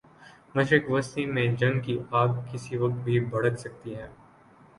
مشرق وسطی میں جنگ کی آگ کسی وقت بھی بھڑک سکتی ہے۔